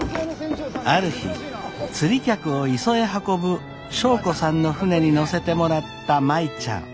ある日釣り客を磯へ運ぶ祥子さんの船に乗せてもらった舞ちゃん。